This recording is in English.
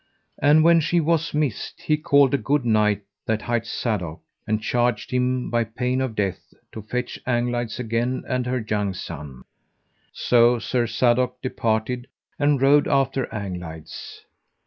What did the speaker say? And when she was missed he called a good knight that hight Sadok, and charged him by pain of death to fetch Anglides again and her young son. So Sir Sadok departed and rode after Anglides.